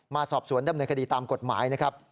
มาสอบสวนดำเนินคดีตามกฎหมายนะครับ